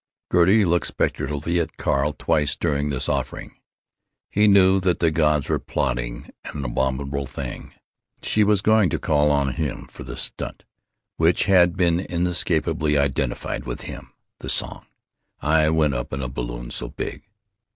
Gertie looked speculatively at Carl twice during this offering. He knew that the gods were plotting an abominable thing. She was going to call upon him for the "stunt" which had been inescapably identified with him, the song, "I went up in a balloon so big."